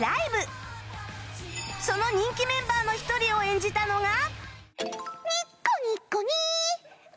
その人気メンバーの一人を演じたのが